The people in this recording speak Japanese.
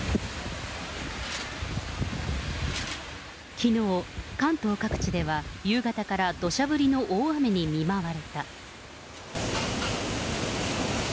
きのう、関東各地では夕方からどしゃ降りの大雨に見舞われた。